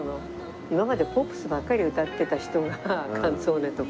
今までポップスばっかり歌ってた人がカンツォーネとか。